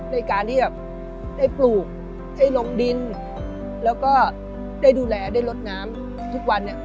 ในการที่แบบได้ปลูกได้ลงดินแล้วก็ได้ดูแลได้ลดน้ำทุกวันเนี่ย